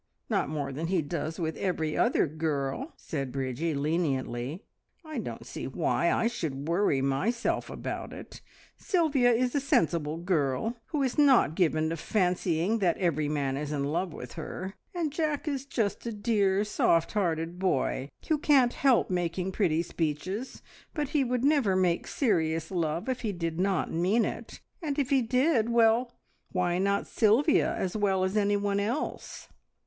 Not more than he does with every other girl," said Bridgie leniently. "I don't see why I should worry myself about it. Sylvia is a sensible girl, who is not given to fancying that every man is in love with her, and Jack is just a dear, soft hearted boy, who can't help making pretty speeches, but he would never make serious love if he did not mean it, and if he did well, why not Sylvia as well as anyone else?"